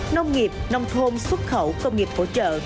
nông nghiệp nông thôn xuất khẩu công nghiệp hỗ trợ